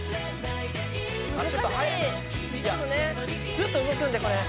「ずっと動くんでこれ」